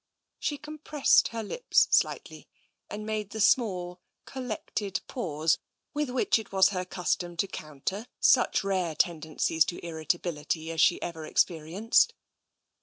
She compressed her lips slightly, and made the small, collected pause with whicji it was her custom to coun ter such rare tendencies to irritability as she ever ex perienced.